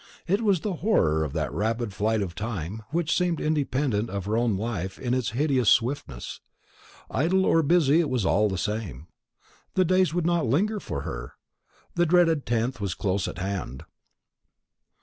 It was the horror of that rapid flight of time, which seemed independent of her own life in its hideous swiftness. Idle or busy, it was all the same. The days would not linger for her; the dreaded 10th was close at hand.